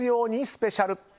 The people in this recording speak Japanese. スペシャル。